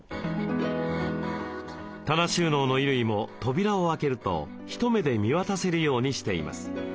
棚収納の衣類も扉を開けると一目で見渡せるようにしています。